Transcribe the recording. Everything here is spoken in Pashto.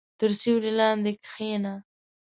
• تر سیوري لاندې کښېنه.